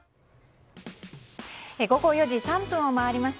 午後４時３分を回りました。